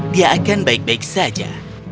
dia akan baik baik saja